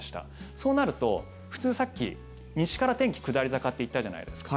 そうなると、普通さっき西から天気下り坂と言ったじゃないですか。